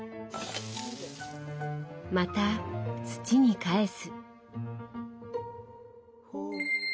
また土にかえす。